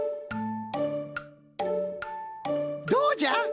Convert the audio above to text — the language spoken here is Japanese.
どうじゃ？